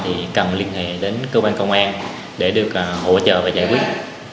thì cần liên hệ đến cơ quan công an để được hỗ trợ và giải quyết